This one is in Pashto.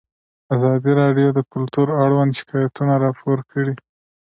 ازادي راډیو د کلتور اړوند شکایتونه راپور کړي.